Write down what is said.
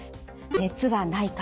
熱はないか